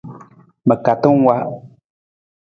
Ma katang wa.